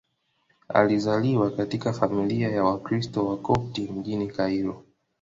Alizaliwa katika familia ya Wakristo Wakopti mjini Kairo.